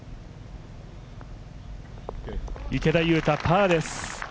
池田勇太、パーです。